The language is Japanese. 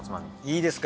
いいですか？